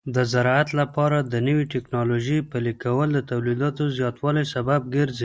د زراعت لپاره د نوې ټکنالوژۍ پلي کول د تولیداتو زیاتوالي سبب ګرځي.